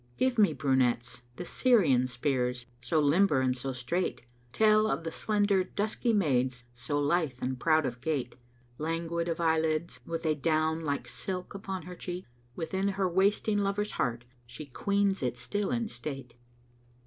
"Give me brunettes; the Syrian spears, so limber and so straight, Tell of the slender dusky maids, so lithe and proud of gait. Languid of eyelids, with a down like silk upon her cheek, Within her wasting lover's heart she queens it still in state."